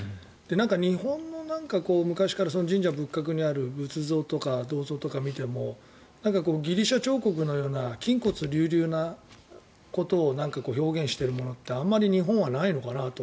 日本の、昔から神社仏閣にある仏像とか銅像とか見てもギリシャ彫刻のような筋骨隆々なことを表現しているものってあまり日本はないのかなと。